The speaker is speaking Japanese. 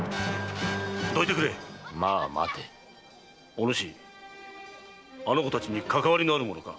お主あの子たちにかかわりのある者か？